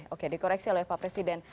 oke dikoreksi oleh pak presiden